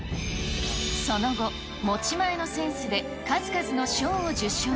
その後、持ち前のセンスで数々の賞を受賞。